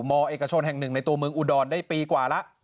เอกชนแห่งหนึ่งในตัวเมืองอุดรได้ปีกว่าแล้ว